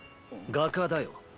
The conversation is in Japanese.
画家だよ。